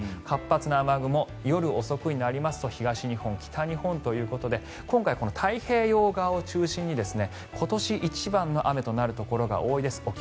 活発な雨雲夜遅くになりますと東日本、北日本ということで今回、太平洋側を中心に今年一番の雨となるところが多いです。